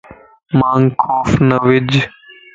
مانک خوف نه وج